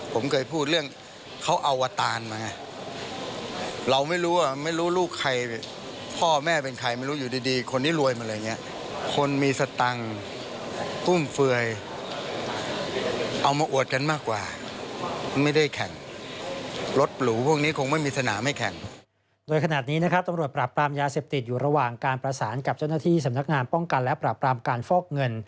โดยขนาดนี้นะครับตำรวจปราบปรามยาเสพติดอยู่ระหว่างการประสานกับเจ้าหน้าที่สำนักงานป้องกันและปราบปรามการฟอกเงิน